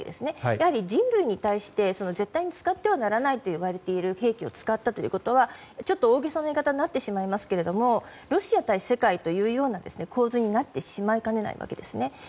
やはり人類に対して絶対に使ってはならないといわれている兵器を使ったということはちょっと大げさな言い方になってしまいますがロシア対世界というような構図になりかねないんですね。